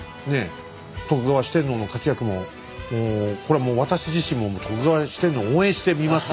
徳川四天王の活躍もこれはもう私自身も徳川四天王応援して見ますよ。